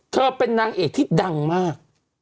เธอเป็นนางเอกที่ดังมาก